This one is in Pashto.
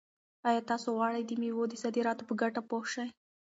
آیا تاسو غواړئ چې د مېوو د صادراتو په ګټه پوه شئ؟